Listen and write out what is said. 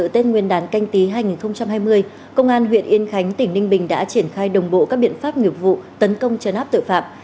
tết nguyên đán canh tí hai nghìn hai mươi công an huyện yên khánh tỉnh ninh bình đã triển khai đồng bộ các biện pháp nghiệp vụ tấn công chấn áp tội phạm